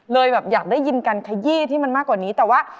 เลยอยากได้ยินการขยี้ที่มันมากกว่านี้